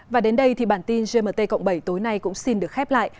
và đến đây thì bản tin gmt cộng bảy tối nay cũng xin được khép lại